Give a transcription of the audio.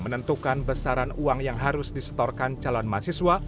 menentukan besaran uang yang harus disetorkan calon mahasiswa